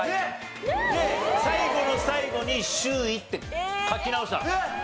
最後の最後に「周囲」って書き直したの。